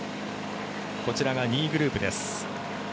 こちらが２位グループです。